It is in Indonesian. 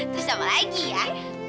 terus sama lagi ya